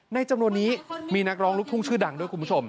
จำนวนนี้มีนักร้องลูกทุ่งชื่อดังด้วยคุณผู้ชม